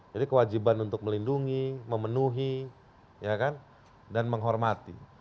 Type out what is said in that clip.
jadi kewajiban untuk melindungi memenuhi ya kan dan menghormati